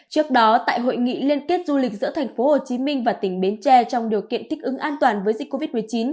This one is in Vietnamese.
trước đó tại hội nghị liên kết du lịch giữa thành phố hồ chí minh và tỉnh bến tre trong điều kiện thích ứng an toàn với dịch covid một mươi chín